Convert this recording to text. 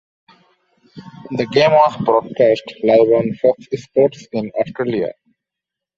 The game was broadcast live on Fox Sports in Australia.